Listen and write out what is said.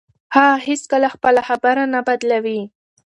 هغه هیڅکله خپله خبره نه بدلوي.